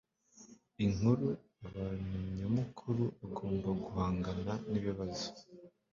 inkuru. abantu nyamukuru bagomba guhangana nibibazo